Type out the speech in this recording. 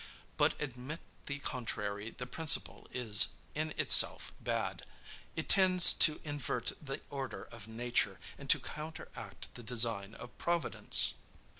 But admit the contrary, the principle is in itself bad. It tends to invert the order of nature, and to counteract the design of Providence.